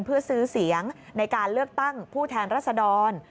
เพื่อซื้อเสียงในการเลือกตั้งผู้แทนรัศดร